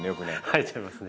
生えちゃいますね。